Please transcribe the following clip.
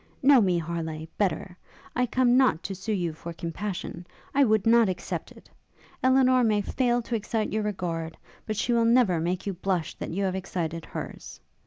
Know me, Harleigh, better! I come not to sue for your compassion, I would not accept it! Elinor may fail to excite your regard, but she will never make you blush that you have excited hers.